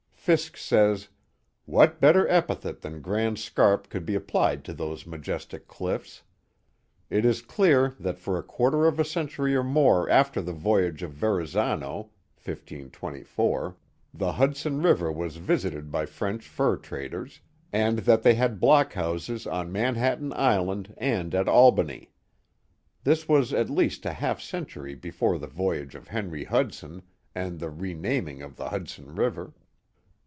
Fiske says: What better epithet than Grand Scarp could be applied to those majestic cliffs. It is clear that for a quarter of a century or more after the voyage of Verrazzano (1524) the Hudson River was visited by French fur traders, and that they had block houses on Manhattan Is land and at Albany.*' This was at least a half century before the voyage of Henry Hudson and the renaming of the Hud son River.